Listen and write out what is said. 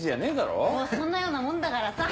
もうそんなようなもんだからさ。